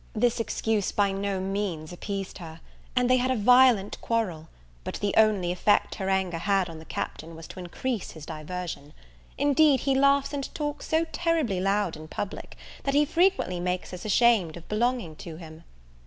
This excuse by no means appeased her, and they had a violent quarrel; but the only effect her anger had on the Captain, was to increase his diversion. Indeed, he laughs and talks so terribly loud in public, that he frequently makes us ashamed of belonging to him.